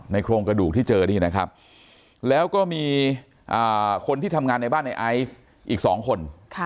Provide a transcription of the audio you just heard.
โครงกระดูกที่เจอนี่นะครับแล้วก็มีคนที่ทำงานในบ้านในไอซ์อีก๒คน